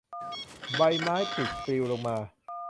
ใบไม้ปลิดปลิวลงมา